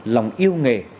lòng yêu nghề